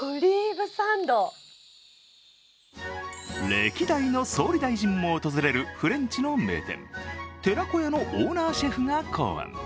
歴代の総理大臣も訪れるフレンチの名店、ＴＥＲＡＫＯＹＡのオーナーシェフが考案。